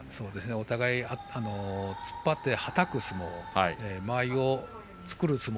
お互い突っ張ってはたく相撲、間合いを作る相撲